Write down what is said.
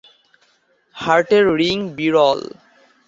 হার্টের রিং বিরল।